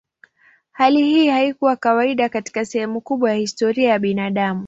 Hali hii haikuwa kawaida katika sehemu kubwa ya historia ya binadamu.